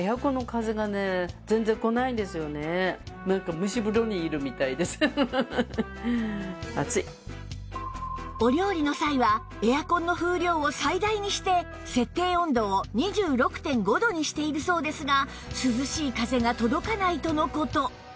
実際にお料理の際はエアコンの風量を最大にして設定温度を ２６．５ 度にしているそうですが涼しい風が届かないとの事